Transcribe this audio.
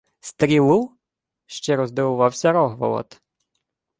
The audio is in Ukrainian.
— Стрілу? — щиро здивувався Рогволод.